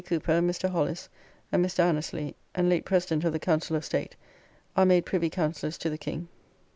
Cooper, Mr. Hollis, and Mr. Annesly,& late President of the Council of State, are made Privy Councillors to the King.